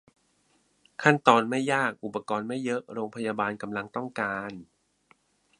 "ขั้นตอนไม่ยาก - อุปกรณ์ไม่เยอะ" โรงพยาบาลกำลังต้องการ